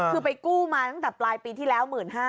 คือไปกู้มาตั้งแต่ปลายปีที่แล้ว๑๕๐๐